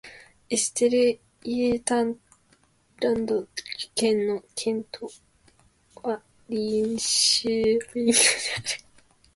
エステルイェータランド県の県都はリンシェーピングである